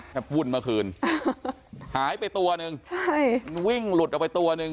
แบบอุ่นมาคืนหายไปตัวหนึ่งใช่วิ่งหลุดเอาไว้ตัวหนึ่ง